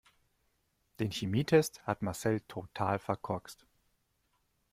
Den Chemietest hat Marcel total verkorkst.